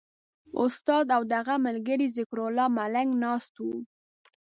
استاد او د هغه ملګری ذکرالله ملنګ ناست وو.